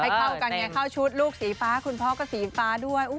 เข้ากันไงเข้าชุดลูกสีฟ้าคุณพ่อก็สีฟ้าด้วย